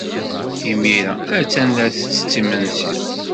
Imir-a, attan la tettett imensi.